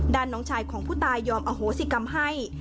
น้องชายของผู้ตายยอมอโหสิกรรมให้